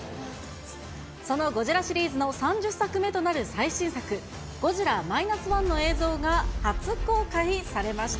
そのゴジラシリーズの３０作目となる最新作、ゴジラマイナスワンの映像が初公開されました。